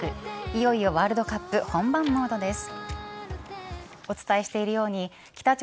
いよいよワールドカップ本番モードです。